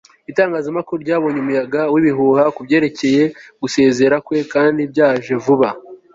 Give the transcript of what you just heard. itangazamakuru ryabonye umuyaga wibihuha kubyerekeye gusezerana kwe kandi byaje vuba. (scott